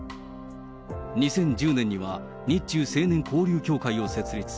２０１０年には、日中青年交流協会を設立。